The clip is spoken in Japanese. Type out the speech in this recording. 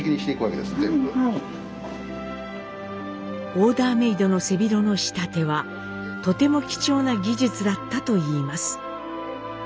オーダーメードの背広の仕立てはとても貴重な技術だったといいます。